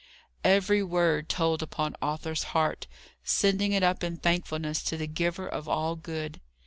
Every word told upon Arthur's heart, sending it up in thankfulness to the Giver of all good.